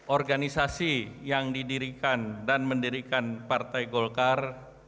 organisasi yang didirikan dan mendirikan partai golkar